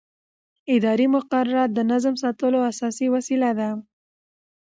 اداري مقررات د نظم ساتلو اساسي وسیله ده.